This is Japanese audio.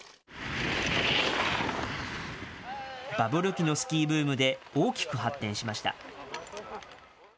バブル期のスキーブームで大きく発展しました。